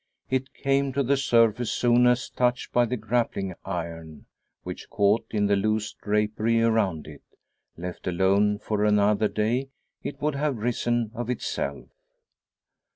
It came to the surface soon as touched by the grappling iron, which caught in the loose drapery around it. Left alone for another day it would have risen of itself.